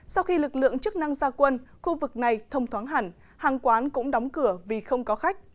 sau khi lực lượng chức năng gia quân khu vực này thông thoáng hẳn hàng quán cũng đóng cửa vì không có khách